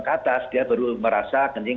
ke atas dia baru merasa kencing